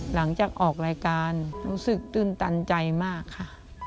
หลังจากออกรายการรู้สึกตื้นตันใจมากค่ะ